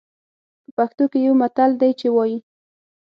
په پښتو کې يو متل دی چې وايي.